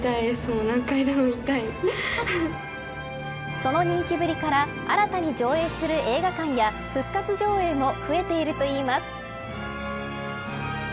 その人気ぶりから新たに上映する映画館や復活上映も増えているといいます。